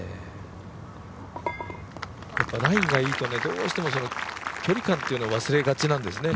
ラインがいいと、どうしても距離感を忘れがちなんですね。